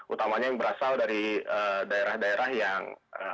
utamanya yang berasal dari daerah daerah yang